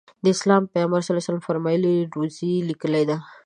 د اسلام پیغمبر ص وفرمایل روزي لیکلې ده.